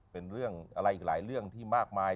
เป็นเรื่องอะไรอีกหลายเรื่องที่มากมาย